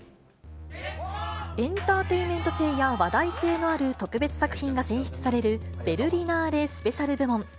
エンターテイメント性や話題性のある特別作品が選出される、ベルリナーレ・スペシャル部門。